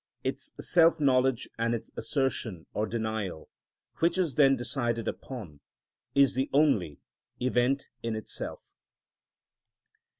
Its self knowledge and its assertion or denial, which is then decided upon, is the only event in itself."